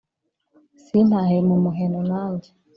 Sintahe mu muheno nanjye